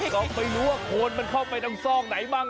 ก็ไม่รู้ว่าโคนมันเข้าไปทางซอกไหนบ้าง